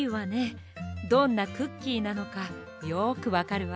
どんなクッキーなのかよくわかるわ。